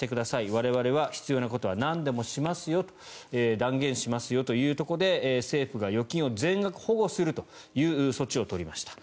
我々は必要なことはなんでもしますよ断言しますよというところで政府が預金を全額保護するという措置を取りました。